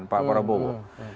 kepada para bobo